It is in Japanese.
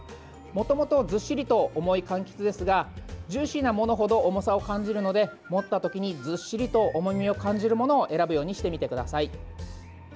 もともとずっしりと重いかんきつですがジューシーなものほど重さを感じるので持ったときにずっしりと重みを感じるものを選ぶようにしてみてください。